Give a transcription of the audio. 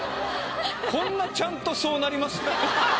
こんなちゃんとそうなります？